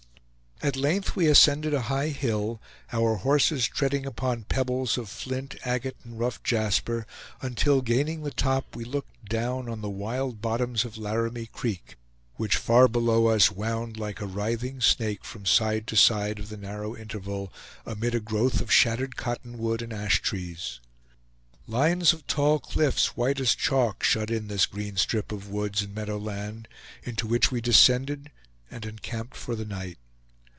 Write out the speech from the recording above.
At length we ascended a high hill, our horses treading upon pebbles of flint, agate, and rough jasper, until, gaining the top, we looked down on the wild bottoms of Laramie Creek, which far below us wound like a writhing snake from side to side of the narrow interval, amid a growth of shattered cotton wood and ash trees. Lines of tall cliffs, white as chalk, shut in this green strip of woods and meadow land, into which we descended and encamped for the night.